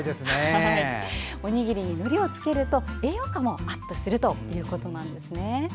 おにぎりにのりをつけると栄養価もアップするということなんですね。